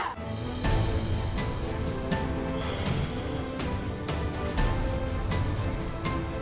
siapa kita indonesia